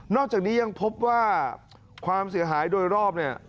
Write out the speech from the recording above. อกจากนี้ยังพบว่าความเสียหายโดยรอบเนี่ย